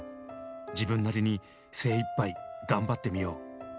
「自分なりに精一杯頑張ってみよう」。